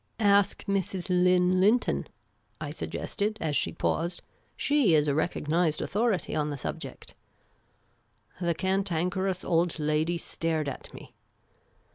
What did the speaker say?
" Ask Mrs. Lynn Linton," I suggested, as she paused. " She is a recognised authority on the subject." The Cantankerous Old Lady stared at me.